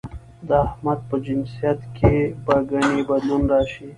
د احمد په جنسيت کې به ګنې بدلون راشي؟